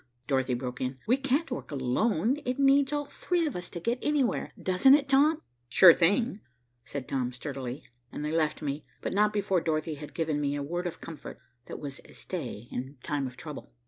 Dorothy broke in. "We can't work alone. It needs all three of us to get anywhere, doesn't it, Tom?" "Sure thing," said Tom sturdily, and they left me, but not before Dorothy had given me a word of comfort that was a stay in time of trouble.